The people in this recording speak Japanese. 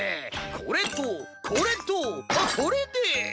これとこれとあこれで。